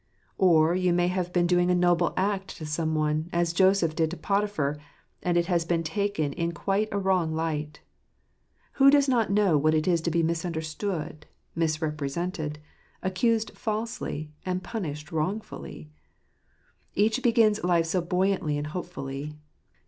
Or you may have been doing a noble act to some one, as Joseph did to Potiphar, and it has been taken in quite a wrong light. Who does not know what it is to be misunderstood, misrepresented, accused falsely, and punished wrongfully ? Each begins life so buoyantly and hopefully.